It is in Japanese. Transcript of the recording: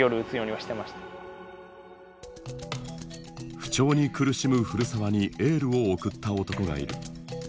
不調に苦しむ古澤にエールを送った男がいる。